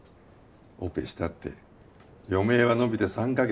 オペしたって余命は延びて３か月。